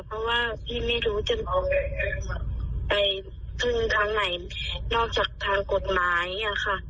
เพราะว่าพี่ไม่รู้จะออกไปพึ่งทางไหนนอกจากทางกฎหมายอะค่ะ